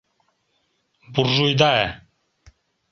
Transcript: Буржуйда.